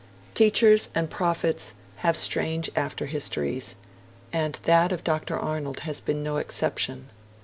Teachers and prophets have strange after histories; and that of Dr. Arnold has been no exception.